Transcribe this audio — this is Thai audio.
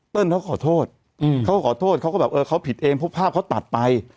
เขาขอโทษเขาก็ขอโทษเขาก็แบบเออเขาผิดเองเพราะภาพเขาตัดไป